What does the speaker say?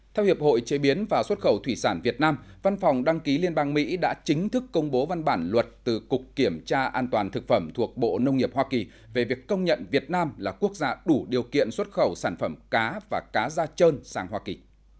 theo hiệp hội chế biến và xuất khẩu thủy sản việt nam văn phòng đăng ký liên bang mỹ đã chính thức công bố văn bản luật từ cục kiểm tra an toàn thực phẩm thuộc bộ nông nghiệp hoa kỳ về việc công nhận việt nam là quốc gia đủ điều kiện xuất khẩu sản phẩm cá và cá da trơn sang hoa kỳ